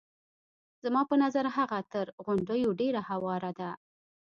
زما په نظر هغه تر غونډیو ډېره هواره ده.